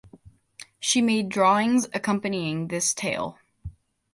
She made drawings accompanying this tale.